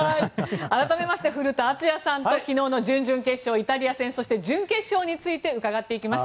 改めまして古田敦也さんと昨日の準々決勝イタリア戦そして準決勝について伺っていきます。